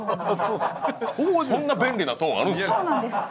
そんな便利なトーンあるんですか？